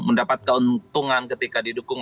mendapat keuntungan ketika didukung